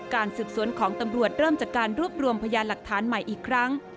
การสืบสวนของตำรวจเริ่มจากการรวบรวมพยานหลักฐานใหม่อีกครั้ง